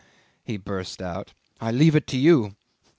he burst out. "I leave it to you.